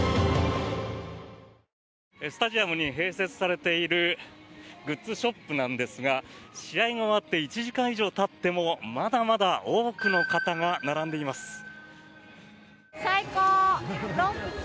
スタジアムに併設されているグッズショップなんですが試合が終わって１時間以上たってもまだまだ多くの方が並んでいます。